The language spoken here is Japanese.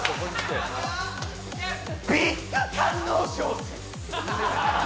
ビッグ官能小説！